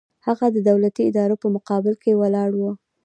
هغه د دولتي ادارو په مقابل کې ولاړ و.